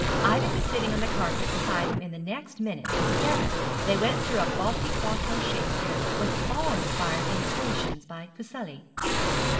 Ida was sitting on the carpet beside him in the next minute and together they went through a bulky quarto Shakespeare with awe inspiring illustrations by Fuseli.